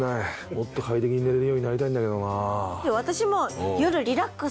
もっと快適に寝れるようになりたいんだけどなぁ。